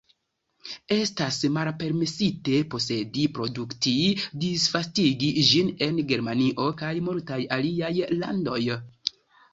Estas malpermesite posedi, produkti, disvastigi ĝin en Germanio kaj multaj aliaj landoj.